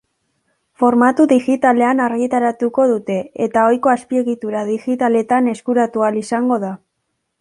Formatu digitalean argitaratuko dute eta ohiko azpiegitura digitaletan eskuratu ahal izango da.